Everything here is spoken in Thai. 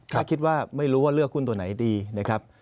ถ้าคิดว่าไม่รู้ว่าเลือกหุ้นตัวไหนดีนะครับ